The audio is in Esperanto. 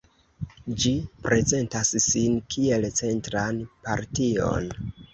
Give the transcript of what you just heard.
Ĝi prezentas sin kiel centran partion.